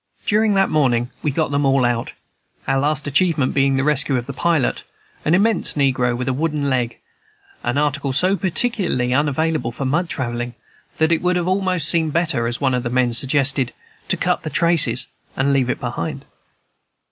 During that morning we got them all out, our last achievement being the rescue of the pilot, an immense negro with a wooden leg, an article so particularly unavailable for mud travelling, that it would have almost seemed better, as one of the men suggested, to cut the traces, and leave it behind.